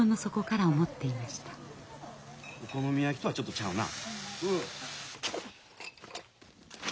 お好み焼きとはちょっとちゃうな。